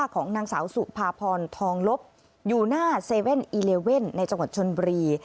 ของนางสาวสุภาพรทองลบอยู่หน้า๗๑๑ในจังหวัดชนบุรี